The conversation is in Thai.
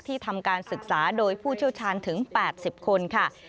ทำการศึกษาโดยผู้เชี่ยวชาญถึง๘๐คนค่ะ